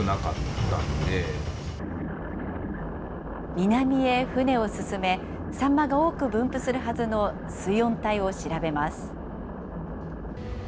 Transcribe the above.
南へ船を進め、サンマが多く分布するはずの水温帯を調べます。